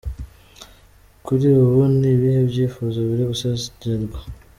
Kuri ubu ni ibihe byifuzo biri gusengerwa? .